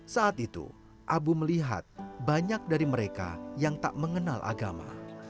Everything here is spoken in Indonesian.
saat itu abu melihat banyak dari mereka yang tak mengenal agama